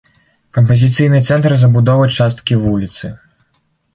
Кампазіцыйны цэнтр забудовы часткі вуліцы.